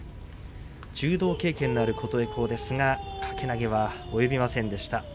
柔道経験のある琴恵光ですが小手投げはおよびませんでした。